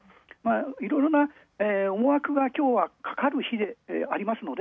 いろいろな思惑が今日はかかる日でありますので、